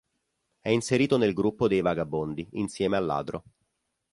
È inserito nel gruppo dei "Vagabondi", insieme al Ladro.